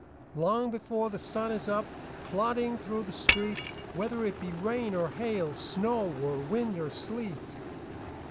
Long before the sun is up, Plodding through the street, Whether it be rain or hail, Snow or wind or sleet.